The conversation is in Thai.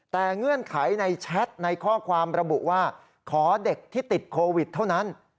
แต่เงื่อนไขในแชทในข้อความระบุว่าขอเด็กที่ติดโควิดเท่านั้น